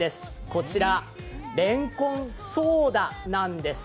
こちら、れんこんソーダなんです。